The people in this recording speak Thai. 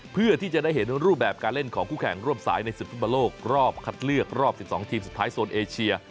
เพื่อที่จะได้เห็นรูปแบบการเล่นของคู่แข่งร่วมสายในศึกฟุตบอลโลกรอบคัดเลือกรอบ๑๒ทีมสุดท้ายโซนเอเชีย